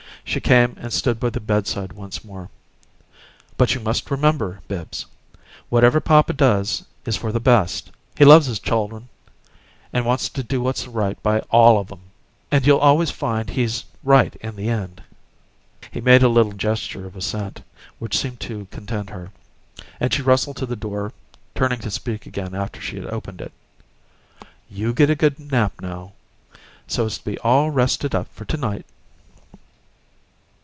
She came and stood by the bedside once more. "But you must remember, Bibbs, whatever papa does is for the best. He loves his chuldern and wants to do what's right by ALL of 'em and you'll always find he's right in the end." He made a little gesture of assent, which seemed to content her; and she rustled to the door, turning to speak again after she had opened it. "You get a good nap, now, so as to be all rested up for to night."